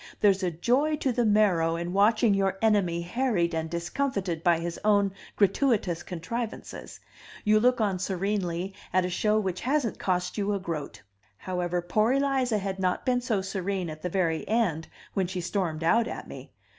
There's a joy to the marrow in watching your enemy harried and discomfited by his own gratuitous contrivances; you look on serenely at a show which hasn't cost you a groat. However, poor Eliza had not been so serene at the very end, when she stormed out at me.